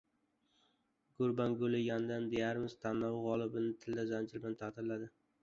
Gurbanguli «Yanlan, Diarym» tanlovi g‘oliblarini tilla zanjir bilan taqdirladi